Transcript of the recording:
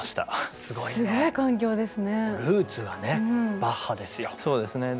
すごい環境ですね。